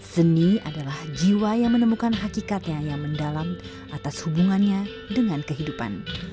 seni adalah jiwa yang menemukan hakikatnya yang mendalam atas hubungannya dengan kehidupan